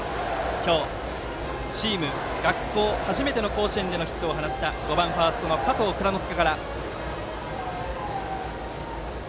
今日、チーム学校初めての甲子園でのヒットを放った５番、ファーストの加藤蔵乃介。